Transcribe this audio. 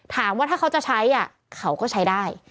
ถามว่าถ้าเขาจะใช้เขาก็ใช้ได้